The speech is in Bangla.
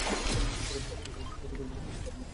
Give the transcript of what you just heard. পথে তাঁদের সঙ্গে কতিপয় ফেরেশতার সাক্ষাৎ ঘটে।